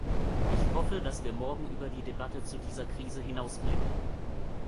Ich hoffe, dass wir morgen über die Debatte zu dieser Krise hinausblicken.